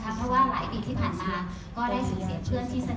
เพราะว่าหลายปีที่ผ่านมาก็ได้สื่อเสียชื่อที่เสนอ